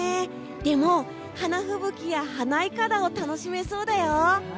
でも、花吹雪や花いかだを楽しめそうだよ！